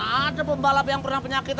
ada pembalap yang pernah penyakit